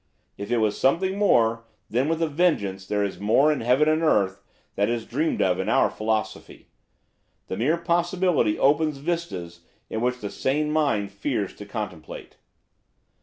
If it was something more, then, with a vengeance! there is more in heaven and earth than is dreamed of in our philosophy. The mere possibility opens vistas which the sane mind fears to contemplate.